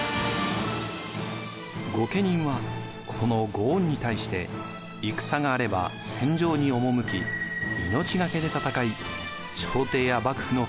御家人はこの御恩に対して戦があれば戦場に赴き命懸けで戦い朝廷や幕府の警護にも当たりました。